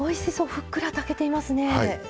ふっくら炊けていますね。